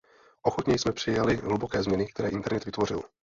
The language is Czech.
Ochotně jsme přijali hluboké změny, které internet vytvořil.